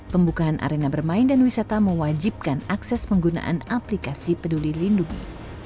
pembukaan arena bermain dan wisata mewajibkan akses penggunaan aplikasi peduli lindungi